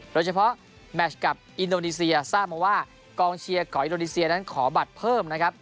แมชแมชกับอินโดนีเซียทราบมาว่ากองเชียร์ของอินโดนีเซียนั้นขอบัตรเพิ่มนะครับ